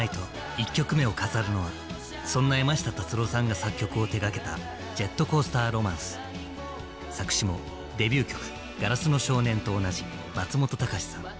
１曲目を飾るのはそんな山下達郎さんが作曲を手がけた「ジェットコースター・ロマンス」作詞もデビュー曲「硝子の少年」と同じ松本隆さん。